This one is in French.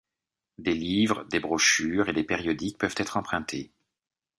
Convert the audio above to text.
Des livres, des brochures et des périodiques peuvent être empruntés.